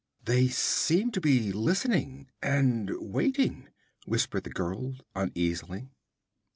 'They seem to be listening and waiting!' whispered the girl uneasily.